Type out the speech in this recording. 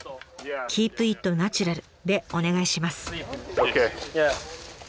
「キープイットナチュラル」でお願いします。